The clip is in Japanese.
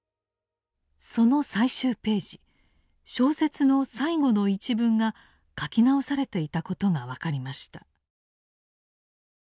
その最終ページ小説の最後の一文が書き直されていたことが分かりました。